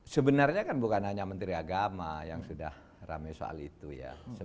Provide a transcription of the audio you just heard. sebenarnya kan bukan hanya menteri agama yang sudah rame soal itu ya